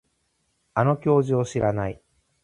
あの教授を知らない